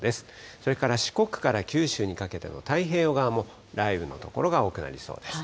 それから四国から九州にかけての太平洋側も雷雨の所が多くなりそうです。